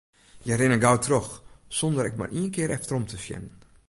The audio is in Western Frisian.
Hja rinne gau troch, sonder ek mar ien kear efterom te sjen.